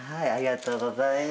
ありがとうございます。